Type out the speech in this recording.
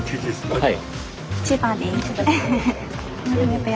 はい。